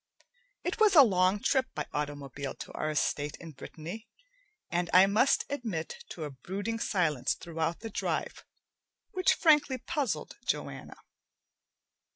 It was a long trip by automobile to our estate in Brittany, and I must admit to a brooding silence throughout the drive which frankly puzzled Joanna.